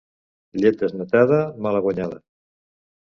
Llet desnatada, malaguanyada.